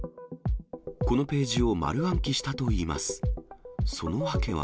このページを丸暗記したといいます。